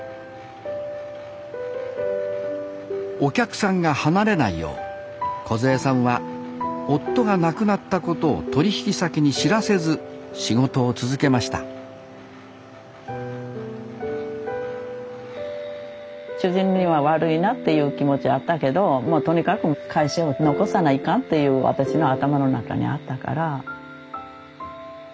お客さんが離れないようこずえさんは夫が亡くなったことを取引先に知らせず仕事を続けました主人には悪いなっていう気持ちあったけどもうとにかく会社を残さないかんっていう私の頭の中にあったから。